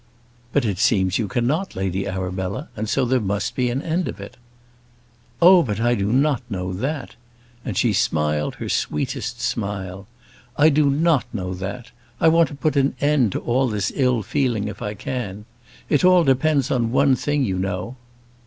"But it seems you cannot, Lady Arabella; and so there must be an end of it." "Oh, but I do not know that:" and she smiled her sweetest smile. "I do not know that. I want to put an end to all this ill feeling if I can. It all depends upon one thing, you know."